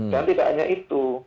dan tidak hanya itu